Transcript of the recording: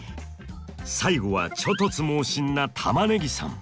最後は猪突猛進なたまねぎさん。